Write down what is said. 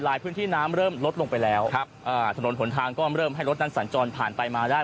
พื้นที่น้ำเริ่มลดลงไปแล้วครับอ่าถนนหนทางก็เริ่มให้รถนั้นสัญจรผ่านไปมาได้